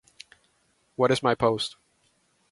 What is my post?